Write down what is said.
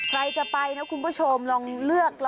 ใครจะไปนะคุณผู้ชมลองเลือก